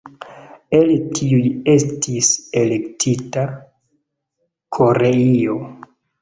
El tiuj estis elektita Koreio.